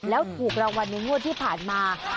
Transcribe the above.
แล้วถูกรางวัลในงวดที่ผ่านมา